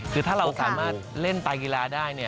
คือถ้าเราสามารถเล่นไตกีฬาได้